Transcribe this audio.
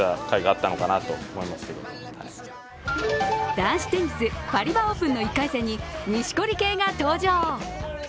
男子テニス、パリバ・オープンの１回戦に錦織圭が登場。